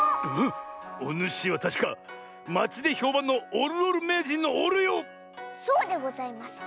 おぬしはたしかまちでひょうばんのおるおるめいじんのおるよ⁉そうでございます。